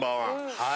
はい。